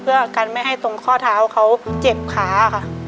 เพื่อกันไม่ให้ตรงข้อเท้าเขาเจ็บขาค่ะ